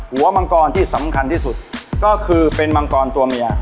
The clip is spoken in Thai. มังกรที่สำคัญที่สุดก็คือเป็นมังกรตัวเมีย